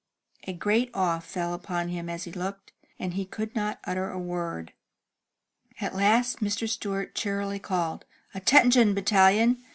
A great awe fell upon him as he looked, and he could not utter a word. At last Mr. Stewart cheerily called: "Attention, battalion!